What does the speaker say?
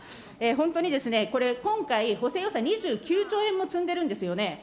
本当にこれ、今回補正予算、２９兆円も積んでるんですよね。